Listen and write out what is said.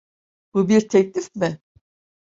Bu bir teklif mi?